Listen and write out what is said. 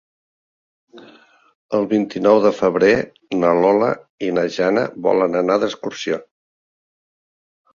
El vint-i-nou de febrer na Lola i na Jana volen anar d'excursió.